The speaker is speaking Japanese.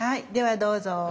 ではどうぞ。